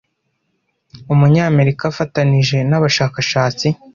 Umunyamerika afatanije n’abashakashatsi